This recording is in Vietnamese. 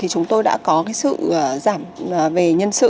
chúng tôi đã có sự giảm về nhân sự